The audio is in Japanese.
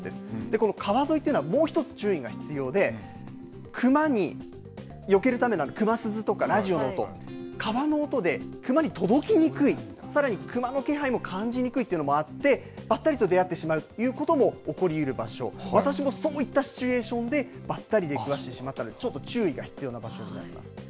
この川沿いというのは、もう一つ注意が必要で、クマによけるためのクマ鈴とか、ラジオの音、川の音でクマに届きにくい、さらにクマの気配も感じにくいっていうのもあって、ばったりと出会ってしまうということも起こりうる場所、私もそういったシチュエーションで、ばったり出くわしてしまったので、ちょっと注意が必要な場所になります。